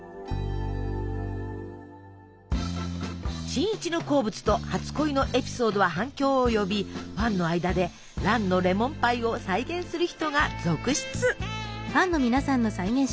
新一の好物と初恋のエピソードは反響を呼びファンの間で「蘭のレモンパイ」を再現する人が続出。